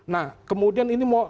nah kemudian ini memungkinkan